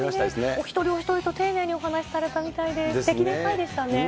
お一人お一人と丁寧にお話されたみたいで、すてきな会でしたね。